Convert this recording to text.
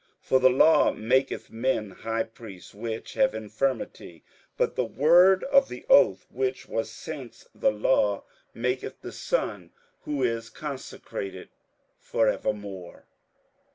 58:007:028 For the law maketh men high priests which have infirmity; but the word of the oath, which was since the law, maketh the Son, who is consecrated for evermore.